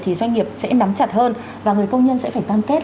thì doanh nghiệp sẽ nắm chặt hơn và người công nhân sẽ phải cam kết